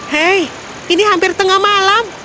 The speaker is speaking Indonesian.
hei ini hampir tengah malam